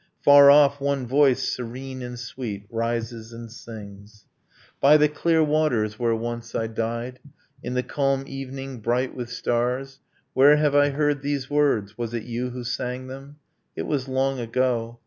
Far off, one voice, serene and sweet, Rises and sings ... 'By the clear waters where once I died, In the calm evening bright with stars. ...' Where have I heard these words? Was it you who sang them? It was long ago.